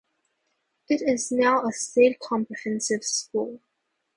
It is now a state comprehensive school.